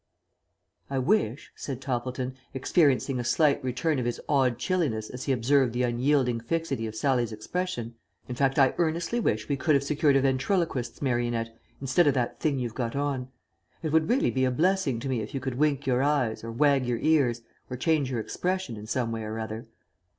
"I wish," said Toppleton, experiencing a slight return of his awed chilliness as he observed the unyielding fixity of Sallie's expression, "in fact, I earnestly wish we could have secured a ventriloquist's marionette instead of that thing you've got on. It would really be a blessing to me if you could wink your eyes, or wag your ears, or change your expression in some way or other."